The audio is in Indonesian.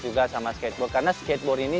juga sama skateboard karena skateboard ini